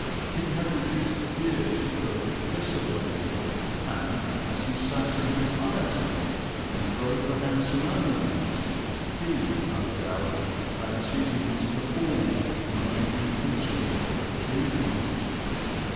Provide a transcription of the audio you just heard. "He had reduced the deer to perfect discipline and, as he sat in his phaeton and drove the handsome animals, he, no doubt, fancied he was performing no inconsiderable achievement."